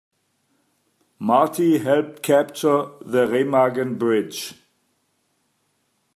Marty helped capture the Remagen Bridge.